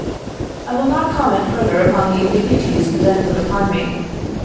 I will not comment fur ther upon the indignities then put upon me.